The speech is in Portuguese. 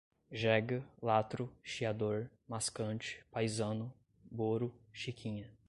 jega, latro, chiador, mascante, paizano, boro, chiquinha